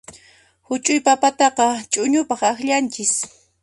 Huch'uy papataqa ch'uñupaq akllanchis.